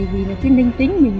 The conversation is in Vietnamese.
vì là cái ninh tính mình